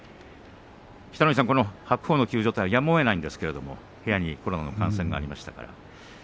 北の富士さん、白鵬の休場はやむをえないんですけれども部屋にコロナの感染がありましたから。